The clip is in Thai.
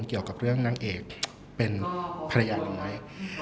เกี่ยวกับเรื่องเจ้านางเอกเป็นภรรยาหนุ่มไว้